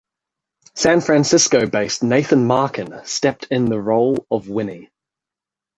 San Francisco-based Nathan Marken stepped in the role of Winnie.